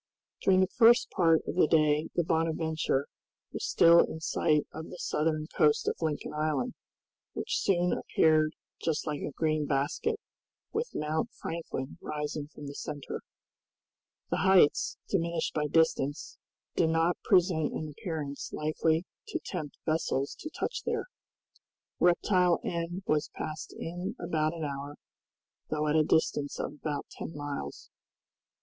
During the first part of the day the "Bonadventure" was still in sight of the southern coast of Lincoln Island, which soon appeared just like a green basket, with Mount Franklin rising from the center. The heights, diminished by distance, did not present an appearance likely to tempt vessels to touch there. Reptile End was passed in about an hour, though at a distance of about ten miles.